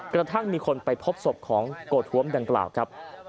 กระทั่งมีคนไปพบศพของโกท้วมดังกล่าวครับ